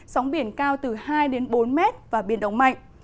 sóng biển cao từ hai bốn m và biển động mạnh